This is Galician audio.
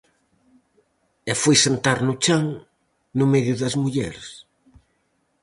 E foi sentar no chan, no medio das mulleres.